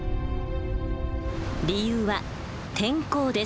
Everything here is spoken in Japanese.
理由は天候です。